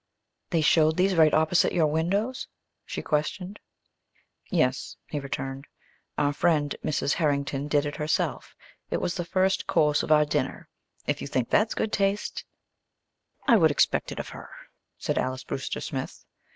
"They showed these right opposite your windows?" she questioned. "Yes," he returned. "Our friend Mrs. Herrington did it herself. It was the first course of our dinner. If you think that's good taste " "I would expect it of her," said Alys Brewster Smith.